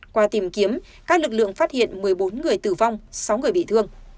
qua tìm kiếm các lực lượng phát hiện một mươi bốn người tử vong sáu người bị thương